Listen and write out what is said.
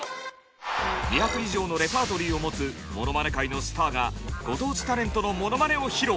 ２００以上のレパートリーを持つものまね界のスターがご当地タレントのものまねを披露！